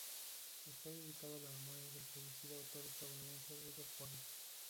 Está dedicado a la memoria del fallecido actor estadounidense River Phoenix.